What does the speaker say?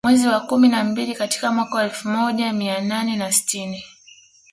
Mwezi wa kumi na mbili katika mwaka wa elfu moja mia nane na sitini